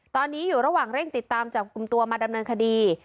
ตอนนี้อยู่ระหว่างเร่งติดตามจับกลุ่มตัวมาดำเนินคดี